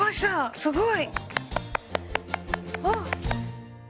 すごい！あ。